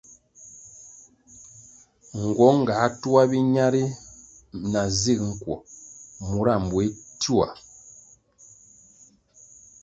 Nguong ga tuah biña ri na zig nkuo mura mbuéh tioa.